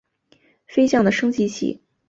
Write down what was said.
飞将的升级棋。